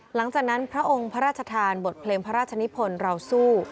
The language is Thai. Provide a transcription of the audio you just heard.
หลังจากนั้นพระองค์พระราชทานบทเพลงพระราชนิพลเราสู้